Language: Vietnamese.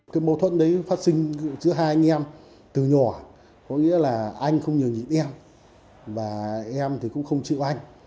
cái mâu thuẫn đấy phát sinh giữa hai anh em từ nhỏ có nghĩa là anh không nhờ nhịn và em thì cũng không chịu anh